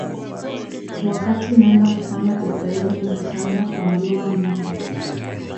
Wakati naenda kufanya usaili nilishangaa kuambiwa niende